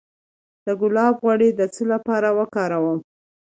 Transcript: د ګلاب غوړي د څه لپاره وکاروم؟